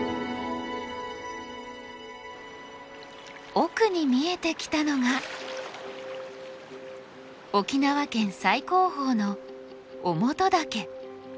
奥に見えてきたのが沖縄県最高峰の於茂登岳。